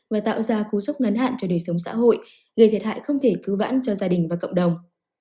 và tạo ra cú sốc ngắn hạn cho đời sống xã hội gây thiệt hại không thể cứu vãn cho gia đình và cộng đồng